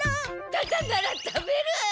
タダなら食べるっ！